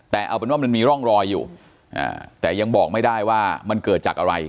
แต่เอาเป็นว่ามันมีร่องรอยอยู่แต่ยังบอกไม่ได้ว่ามันเกิดจากอะไร